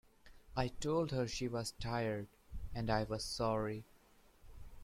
I told her she was tired, and I was sorry.